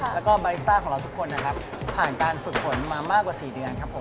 แล้วก็บาริสตาของเราทุกคนผ่านการฝึกผลมามากกว่า๔เดือน